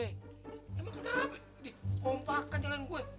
emang kenapa dikompakan jalan gue